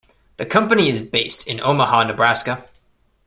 The company is based in Omaha, Nebraska.